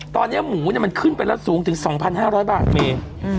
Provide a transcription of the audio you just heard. ตอนนี้หมูมันขึ้นไปแล้วสูงถึง๒๕๐๐บาทเม